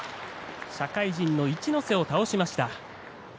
社会人の一ノ瀬を倒しました。